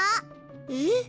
えっ？